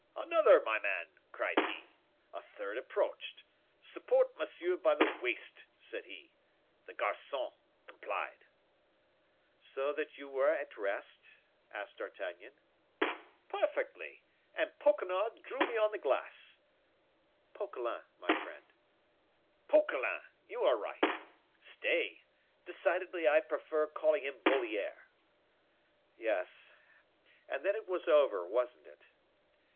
"'Another, my man,' cried he. A third approached. 'Support monsieur by the waist,' said he. The garcon complied." "So that you were at rest?" asked D'Artagnan. "Perfectly; and Pocquenard drew me on the glass." "Poquelin, my friend." "Poquelin you are right. Stay, decidedly I prefer calling him Voliere." "Yes; and then it was over, wasn't it?"